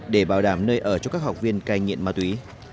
để bảo đảm nơi ở cho các học viên cai nghiện ma túy